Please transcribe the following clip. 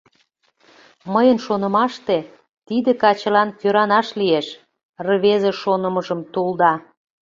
— Мыйын шонымаште, тиде качылан кӧранаш лиеш, — рвезе шонымыжым тулда.